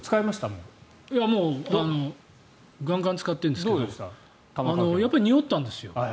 もうガンガン使ってるんですけどやっぱりにおったんですよ。